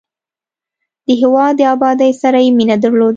د هېواد د ابادۍ سره یې مینه درلودل.